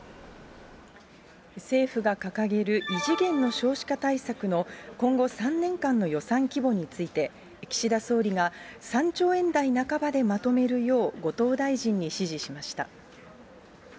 政府が掲げる異次元の少子化対策の今後３年間の予算規模について、岸田総理が３兆円台半ばでまとめるよう、後藤大臣に指示しました。